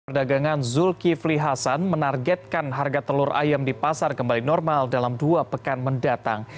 menteri perdagangan zulkifli hasan menargetkan harga telur ayam di pasar kembali normal dalam dua pekan mendatang